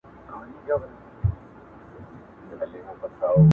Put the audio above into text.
د احمدشاه بابا د مړينه ځای چي